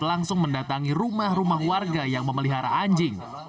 langsung mendatangi rumah rumah warga yang memelihara anjing